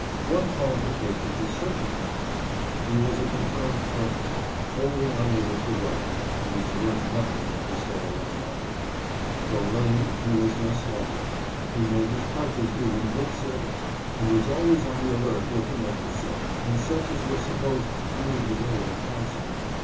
One qualification he certainly had. He was a confirmed cripple, wholly unable to work, and was worth nothing for sale in the market. Though lame, he was no sluggard. He made his crutches do him good service, and was always on the alert looking up the sick, and such as were supposed to need his aid and counsel.